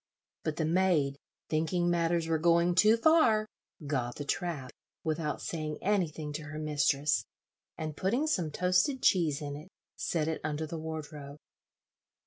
But the maid, thinking matters were going too far, got the trap, without saying anything to her mistress, and putting some toasted cheese in it, set it under the wardrobe.